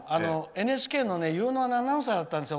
ＮＨＫの有能なアナウンサーだったんですよ